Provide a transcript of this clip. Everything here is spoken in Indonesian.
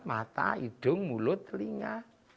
mata hidung mulut telinga